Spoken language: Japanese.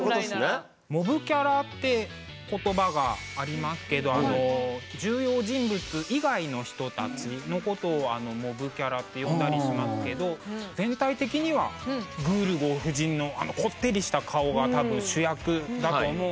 「モブキャラ」って言葉がありますけど重要人物以外の人たちのことを「モブキャラ」って呼んだりしますけど全体的にはグールゴー夫人のあのこってりした顔が多分主役だと思うんですね。